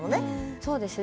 そうですね。